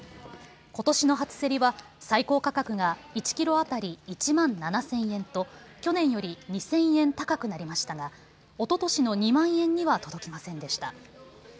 ことしの初競りは最高価格が１キロ当たり１万７０００円と去年より２０００円高くなりましたがおととしの２万円には届きませんでした。